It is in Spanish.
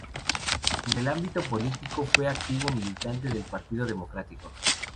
En el ámbito político fue activo militante del Partido Democrático.